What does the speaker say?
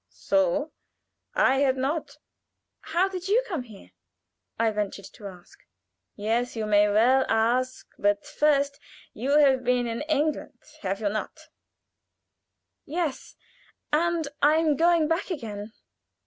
"So! I had not." "How did you come here?" I ventured to ask. "Yes you may well ask; but first you have been in England, have you not?" "Yes, and am going back again."